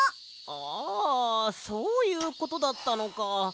あそういうことだったのか。